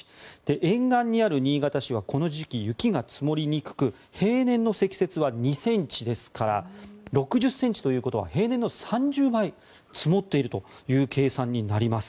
沿岸にある新潟市はこの時期雪が積もりにくく平年の積雪は２ｃｍですから６０ｃｍということは平年の３０倍積もっているという計算になります。